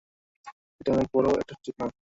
এটা অনেক বড়ো একটা সুযোগ মা।